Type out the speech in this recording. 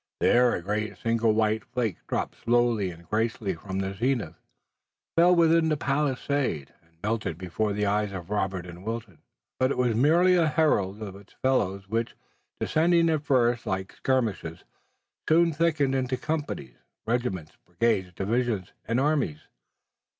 Then a single great white flake dropped slowly and gracefully from the zenith, fell within the palisade, and melted before the eyes of Robert and Wilton. But it was merely a herald of its fellows which, descending at first like skirmishers, soon thickened into companies, regiments, brigades, divisions and armies.